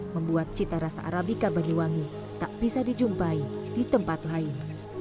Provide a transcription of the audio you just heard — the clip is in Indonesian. membuat cita rasa arabika banyuwangi tak bisa dijumpai di tempat lain